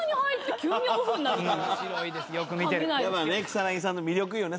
草さんの魅力よね。